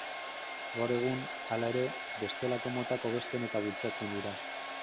Gaur egun, halere, bestelako motak hobesten eta bultzatzen dira.